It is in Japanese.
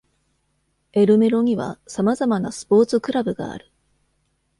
エルメロには様々なスポーツクラブがある。